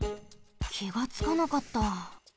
きがつかなかった。